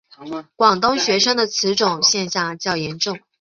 广东学生的此种现象较严重。